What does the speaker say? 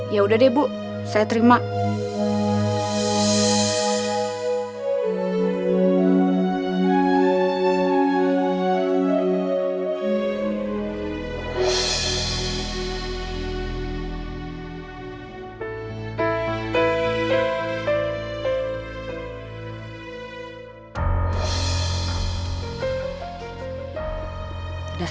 ya udah deh bu saya terima